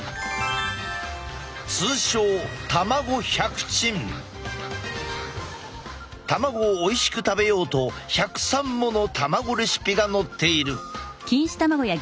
通称卵をおいしく食べようと１０３もの卵レシピが載っている。